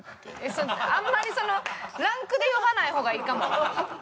あんまりそのランクで呼ばない方がいいかも。